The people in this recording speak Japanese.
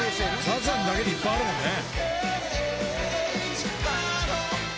サザンだけでいっぱいあるもんね。